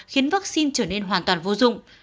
khiến vaccine trở nên hoàn toàn vô dụng